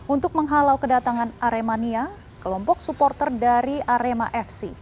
untuk menghalau kedatangan aremania kelompok supporter dari arema fc